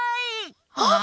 あっ！